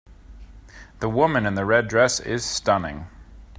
The woman in the red dress is stunning.